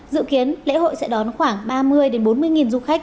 dự kiến lễ hội sẽ đón khoảng ba mươi bốn mươi du khách